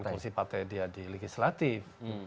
kursi partai dia di legislatif